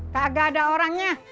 kagak ada orangnya